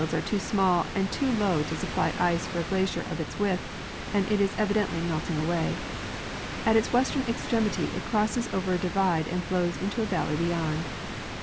its snow tielcls are too small and too low to supply ice for a glacier of its width, and it is evidently melting away. At its western extremity it crosses over a divide and flows into a valley beyond.